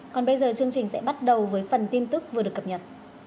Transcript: còn bây giờ chương trình sẽ bắt đầu với phần tin tức vừa được cập nhật